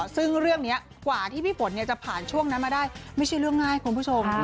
ซึ่งเรื่องนี้กว่าที่พี่ฝนจะผ่านช่วงนั้นมาได้ไม่ใช่เรื่องง่ายคุณผู้ชม